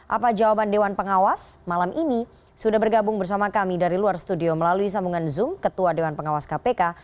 apa jawaban dewan pengawas malam ini sudah bergabung bersama kami dari luar studio melalui sambungan zoom ketua dewan pengawas kpk